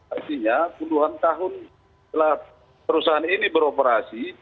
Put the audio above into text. artinya puluhan tahun setelah perusahaan ini beroperasi